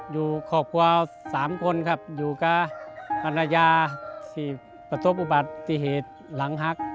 อยู่ครอบครัว๓คนครับอยู่กับภรรยาที่ประสบอุบัติเหตุหลังหัก